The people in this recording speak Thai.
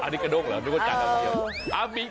นี่กระโดกละนี่ไม่ใช่จาดดาวเทียม